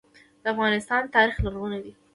د افغانستان تاریخ لرغونی دی